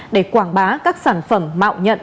để quảng bá các sản phẩm mạo nhận